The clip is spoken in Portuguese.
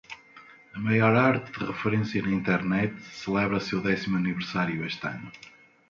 A maior arte de referência na Internet celebra seu décimo aniversário este ano.